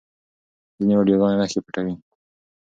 ځینې ویډیوګانې نښې پټوي.